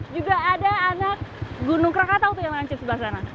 juga ada anak gunung krakatau yang lanjut di sebelah sana